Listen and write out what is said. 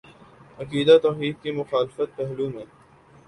عقیدہ توحید کے مختلف پہلو ہیں